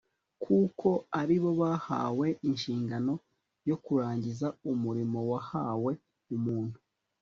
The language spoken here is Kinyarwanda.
kuko ari bo bahawe inshingano yo kurangiza umurimo wahawe umuntu